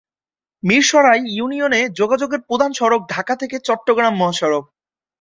মীরসরাই ইউনিয়নে যোগাযোগের প্রধান সড়ক ঢাকা-চট্টগ্রাম মহাসড়ক।